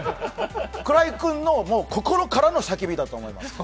鞍井君の心からの叫びだと思います。